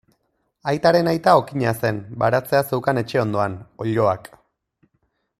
Aitaren aita okina zen, baratzea zeukan etxe ondoan, oiloak.